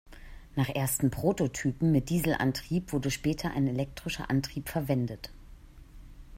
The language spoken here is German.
Nach ersten Prototypen mit Dieselantrieb wurde später ein elektrischer Antrieb verwendet.